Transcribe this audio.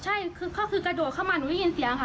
ใช่คือกระโดดเข้ามาหนูได้ยินเสียงค่ะ